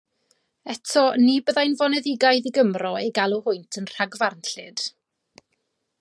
Eto ni byddai'n foneddigaidd i Gymro eu galw hwynt yn rhagfarnllyd.